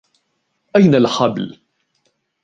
أين الحبل ؟